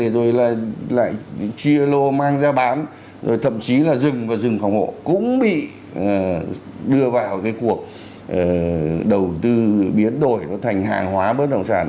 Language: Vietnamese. rồi là lại chia lô mang ra bán rồi thậm chí là rừng và rừng phòng hộ cũng bị đưa vào cái cuộc đầu tư biến đổi nó thành hàng hóa bất động sản